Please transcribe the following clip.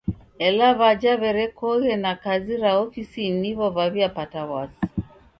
Ela w'aja w'erekoghe na kazi ra ofisinyi niwo w'aw'iapata w'asi.